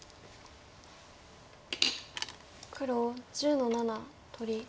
黒１０の七取り。